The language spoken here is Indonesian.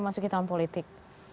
masuk ke tahun politik